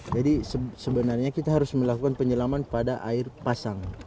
jadi sebenarnya kita harus melakukan penyelaman pada air pasang